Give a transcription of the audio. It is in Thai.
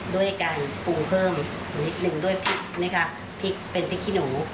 ด้วยการปรุงเพิ่มนิดนึงด้วยพริกนะคะพริกเป็นพริกขี้หนู